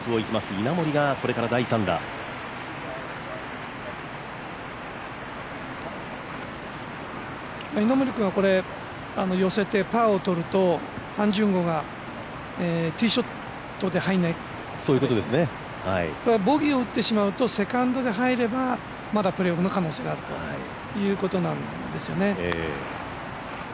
稲森君は寄せてパーをとるとハン・ジュンゴンがティーショットで入らないボギーを打ってしまうとセカンドで入ればまだプレーオフの可能性があるということなんですね。